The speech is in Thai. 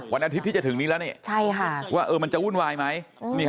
วันอาทิตย์ที่จะถึงนี้แล้วนี่ว่ามันจะวุ่นวายไหม